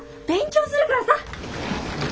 勉強するからさ！